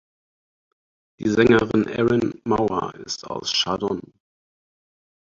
Die Sängerin Erin Mauer ist aus Chardon.